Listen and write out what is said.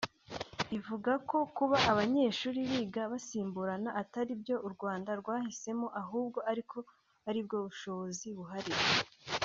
ivuga ko kuba abanyeshuri biga basimburana ataribyo u Rwanda rwahisemo ahubwo ariko aribwo bushobozi buhari